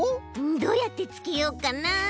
どうやってつけようかな。